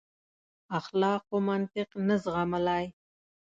اخلاقو منطق نه زغملای.